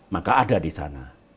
maka ada di sana